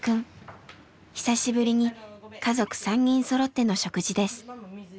久しぶりに家族３人そろっての食事です。